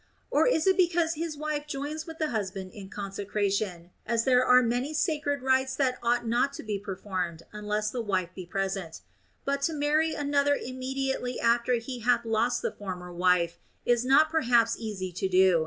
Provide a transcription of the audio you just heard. Or is it because his wife joins with the husband in conse cration (as there are many sacred rites that ought not to be performed unless the wife be present), but to marry another immediately after he hath lost the former wife is not per haps easy to do.